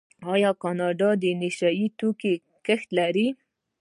آیا کاناډا د نشه یي توکو کښت لري؟